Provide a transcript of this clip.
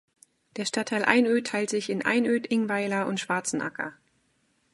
Der Stadtteil Einöd teilt sich in Einöd, Ingweiler und Schwarzenacker.